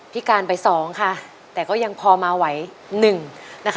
พิการไปสองค่ะแต่ก็ยังพอมาไหวหนึ่งนะคะ